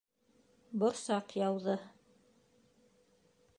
Борсаҡ яуҙы